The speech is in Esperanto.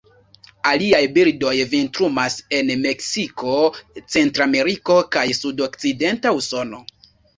Aliaj birdoj vintrumas en Meksiko, Centrameriko, kaj sudokcidenta Usono.